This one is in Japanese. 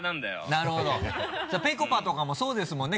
なるほどぺこぱとかもそうですもんね。